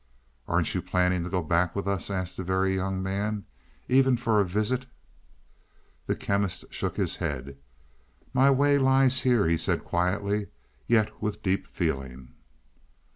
"Aren't you planning to go back with us," asked the Very Young Man, "even for a visit?" The Chemist shook his head. "My way lies here," he said quietly, yet with deep feeling.